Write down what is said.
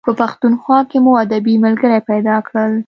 په پښتونخوا کې مو ادبي ملګري پیدا کړل.